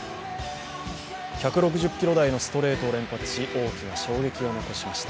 １６０キロ台のストレートを連発し大きな衝撃を残しました